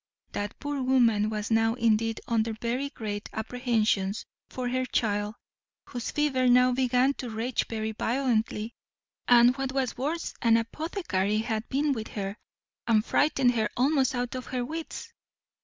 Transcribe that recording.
That poor woman was now indeed under very great apprehensions for her child, whose fever now began to rage very violently: and what was worse, an apothecary had been with her, and frightened her almost out of her wits.